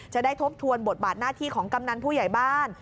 ทบทวนบทบาทหน้าที่ของกำนันผู้ใหญ่บ้าน